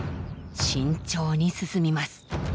慎重に進みます。